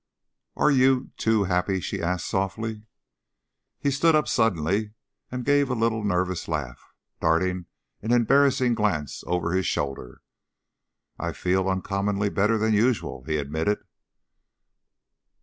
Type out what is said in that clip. "Are you, too, happy?" she asked softly. He stood up suddenly and gave a little nervous laugh, darting an embarrasing glance over his shoulder. "I feel uncommonly better than usual," he admitted.